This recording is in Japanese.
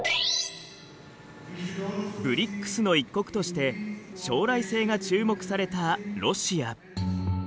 ＢＲＩＣＳの１国として将来性が注目されたロシア。